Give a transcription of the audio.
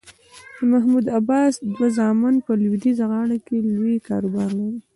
د محمود عباس دوه زامن په لویدیځه غاړه کې لوی کاروبار لري.